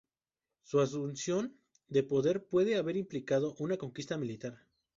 Su asunción de poder puede haber implicado una conquista militar.